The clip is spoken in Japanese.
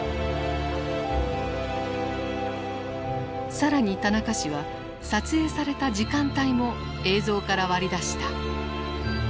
更に田中氏は撮影された時間帯も映像から割り出した。